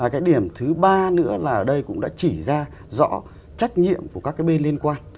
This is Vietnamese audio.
cái điểm thứ ba nữa là ở đây cũng đã chỉ ra rõ trách nhiệm của các cái bên liên quan